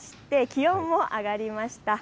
気温も上がりました。